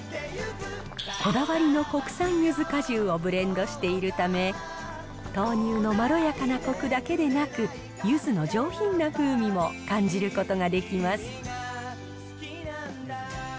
こだわりの国産ゆず果汁をブレンドしているため、豆乳のまろやかなこくだけでなく、ゆずの上品な風味も感じることができます。